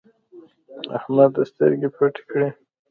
احمده سترګې پټې کړې.